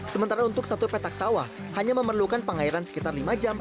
sementara untuk satu petak sawah hanya memerlukan pengairan sekitar lima jam